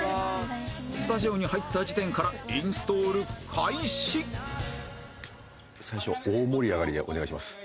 スタジオに入った時点から最初大盛り上がりでお願いします。